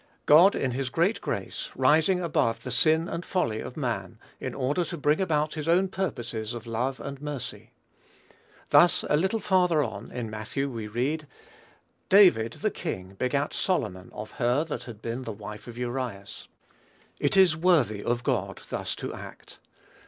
God, in his great grace, rising above the sin and folly of man, in order to bring about his own purposes of love and mercy. Thus, a little farther on, in Matthew, we read, "David the king begat Solomon, of her that had been the wife of Urias." It is worthy of God thus to act.